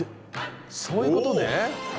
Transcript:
そういうことね。